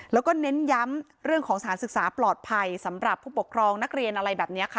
แล้วก็เน้นย้ำเรื่องของสถานศึกษาปลอดภัยสำหรับผู้ปกครองนักเรียนอะไรแบบนี้ค่ะ